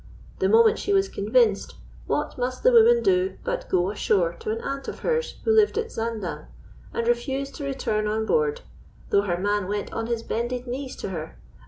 The moment she was convinced, what must the woman do but go ashore to an aunt of hers who lived at Zaandam, and refuse to return on board, though her man went on his bended knees to her!